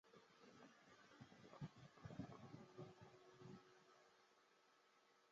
毗邻的多明我会圣伯多禄堂最近已经拆除。